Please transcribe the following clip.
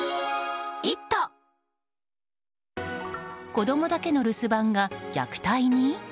子供だけの留守番が虐待に？